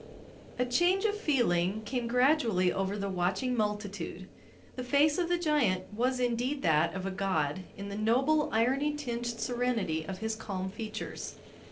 A change of feeling came gradually over the watching multitude. The face of the giant was indeed that of a god in the noble, irony tinged serenity of his calm features.